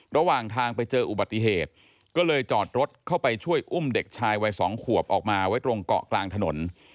ระหว่างทางไปเจออุบัติเหตุก็เลยจอดรถเข้าไปช่วยอุ้มเด็กชายวัยสองขวบออกมาไว้ตรงเกาะกลางถนน